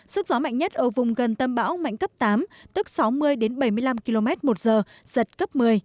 sức gió mạnh nhất ở vùng gần tâm bão mạnh cấp tám tức sáu mươi đến bảy mươi năm km một giờ giật cấp một mươi